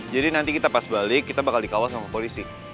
jadi nanti kita pas balik kita bakal dikawal sama kepolisi